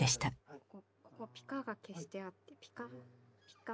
ここ「ピカ」が消してあって「ピカピカ」。